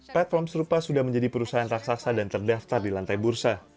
platform serupa sudah menjadi perusahaan raksasa dan terdaftar di lantai bursa